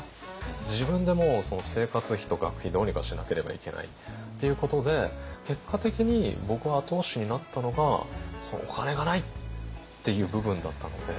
自分でもう生活費と学費どうにかしなければいけないっていうことで結果的に僕の後押しになったのがお金がないっていう部分だったので。